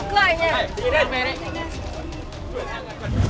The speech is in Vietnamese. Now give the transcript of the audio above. anh ơi cho em xin mấy đồng bạc lẻ này